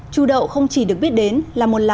chủ đậu không chỉ được biết đến là một lãnh đạo